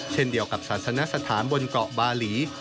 เช่นเดียวกับศาสนสถานบนเกาะบาหลี